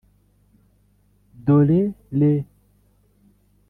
dore re